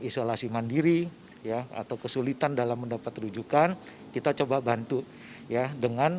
isolasi mandiri ya atau kesulitan dalam mendapat rujukan kita coba bantu ya dengan